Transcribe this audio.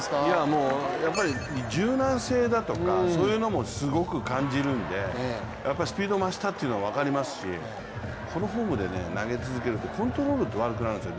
もう柔軟性だとか、そういうのもすごく感じるんで、スピード増したというのは分かりますしこのフォームで投げ続けるとコントロールが悪くなるんですよ。